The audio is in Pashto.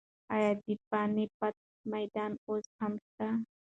ایا د پاني پت میدان اوس هم شته؟